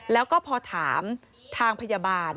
แล้วก็พอถามทางพยาบาล